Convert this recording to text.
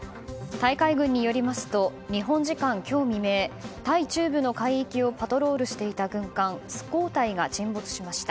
タイ海軍によりますと日本時間今日未明タイ中部の海域をパトロールしていた軍艦「スコータイ」が沈没しました。